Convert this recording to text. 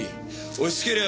押しつけりゃ